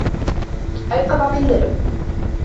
أيقظ من ذئب